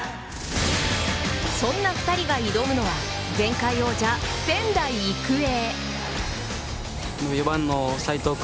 そんな２人が挑むのは前回王者・仙台育英。